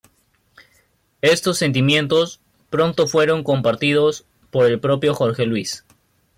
Estos sentimientos pronto fueron compartidos por el propio Jorge Luis.